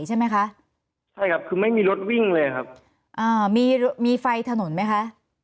ใช่ไหมคะใช่ครับคือไม่มีรถวิ่งเลยครับอ่ามีมีไฟถนนไหมคะ